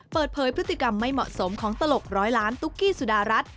เปิดเผยพฤติกรรมไม่เหมาะสมของตลกร้อยล้านตุ๊กกี้สุดารัฐ